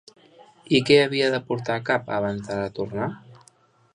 I què havia de portar a cap abans de retornar?